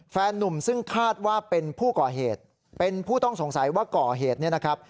นุ่มซึ่งคาดว่าเป็นผู้ก่อเหตุเป็นผู้ต้องสงสัยว่าก่อเหตุเนี่ยนะครับ